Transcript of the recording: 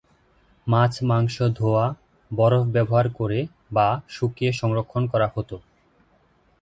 মাছ-মাংশ ধোঁয়া, বরফ ব্যবহার করে বা শুকিয়ে সংরক্ষণ করা হত।